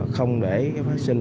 không để phát sinh